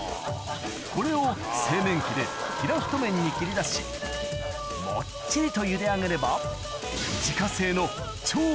これを製麺機で平太麺に切り出しもっちりとゆで上げれば